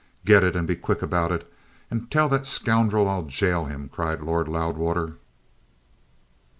"Get it! And be quick about it! And tell that scoundrel I'll gaol him!" cried Lord Loudwater.